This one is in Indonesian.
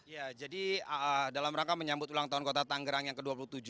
ya jadi dalam rangka menyambut ulang tahun kota tanggerang yang ke dua puluh tujuh